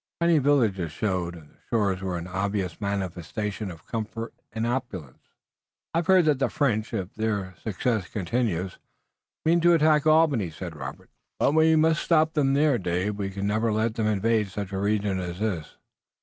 Tiny villages showed and the shores were an obvious manifestation of comfort and opulence. "I have heard that the French, if their success continues, mean to attack Albany," said Robert, "but we must stop them there, Dave. We can never let them invade such a region as this."